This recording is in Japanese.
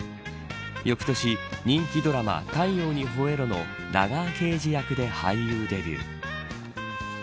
翌年、人気ドラマ太陽にほえろ！のラガー刑事役で俳優デビュー。